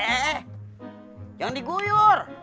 eh eh eh jangan diguyur